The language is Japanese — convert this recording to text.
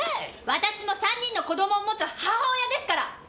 私も３人の子供を持つ母親ですから！